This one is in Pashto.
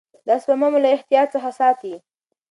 دا سپما مو له احتیاج څخه ساتي.